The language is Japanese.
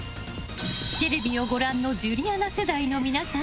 テレビをご覧のジュリアナ世代の皆さん